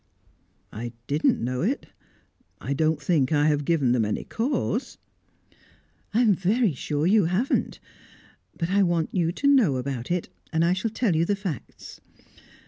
"I didn't know it. I don't think I have given them cause." "I am very sure you haven't. But I want you to know about it, and I shall tell you the facts.